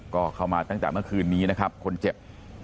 ก็เข้ามาตั้งแต่เมื่อคืนนี้นะครับคนเจ็บ